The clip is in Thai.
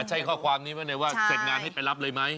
ใช้ข้อความนี้ไว้เลยว่าเสร็จงานให้ไปรับเลยไหม